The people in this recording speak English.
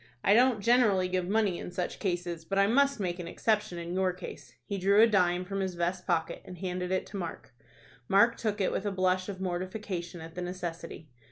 "I don't generally give money in such cases, but I must make an exception in your case." He drew a dime from his vest pocket and handed it to Mark. Mark took it with a blush of mortification at the necessity.